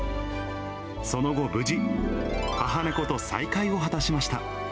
その後、無事、母猫と再会を果たしました。